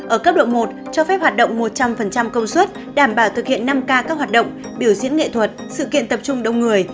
ở cấp độ một cho phép hoạt động một trăm linh công suất đảm bảo thực hiện năm k các hoạt động biểu diễn nghệ thuật sự kiện tập trung đông người